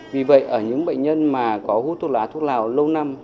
vì vậy ở những bệnh nhân mà có hút thuốc lá thuốc lào lâu năm